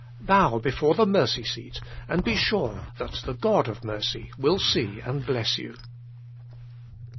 Bow before the mercy seat, and be sure that the God of Mercy will see and bless you.